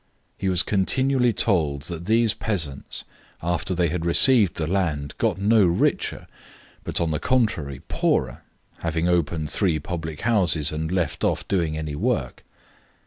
He was continually told that these peasants, after they had received the land, got no richer, but, on the contrary, poorer, having opened three public houses and left off doing any work.